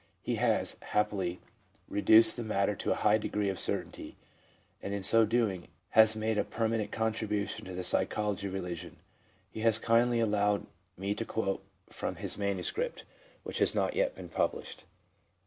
He has, happily, reduced the matter to a high degree of certainty, and in so doing has made a permanent contribution to the psychology of religion. He has kindly allowed me to quote from his manuscript, which has not yet been published.